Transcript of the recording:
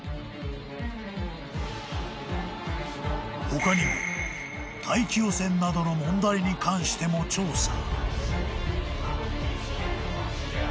［他にも大気汚染などの問題に関しても調査］